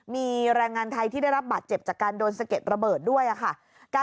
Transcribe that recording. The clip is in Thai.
มีแรงงานไทยที่ได้รับบาดเจ็บจากการโดนสะเก็ดระเบิดด้วยค่ะ